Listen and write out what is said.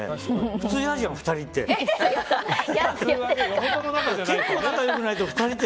普通に嫌じゃん、２人って。